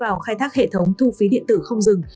sẽ đưa vào khai thác hệ thống thu phí điện tử không dừng